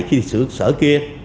khi thì sở kia